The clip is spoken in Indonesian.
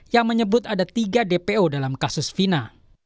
yang menyebut ada tiga dpo dalam kasus fina